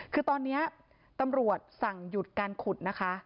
คือตอนนี้ตำรวจสั่งหยุดการขุดนะคะ